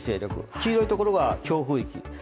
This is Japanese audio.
黄色いところは強風域。